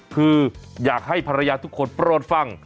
คืออยากให้ภรรยาทุกคนโปรดฟัง